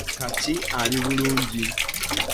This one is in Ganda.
Kati ali bulungi.